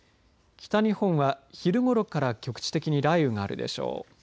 北日本は昼ごろから局地的に雷雨があるでしょう。